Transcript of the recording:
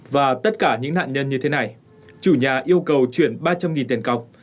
và tất cả những nạn nhân như thế này chủ nhà yêu cầu chuyển ba trăm linh tiền cọc